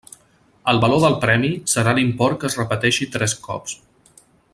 El valor del premi serà l'import que es repeteixi tres cops.